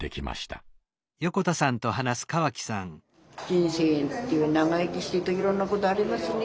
人生長生きしてるといろんなことありますね。